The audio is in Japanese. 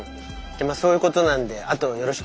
じゃまあそういうことなんであとはよろしく。